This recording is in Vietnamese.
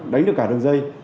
đánh được cả đường dây